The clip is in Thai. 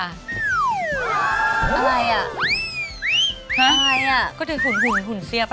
อะไรอะ